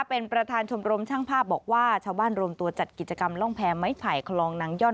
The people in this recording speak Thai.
เป็นประธานชมรมช่างภาพบอกว่าชาวบ้านรวมตัวจัดกิจกรรมร่องแพรไม้ไผ่คลองนางย่อน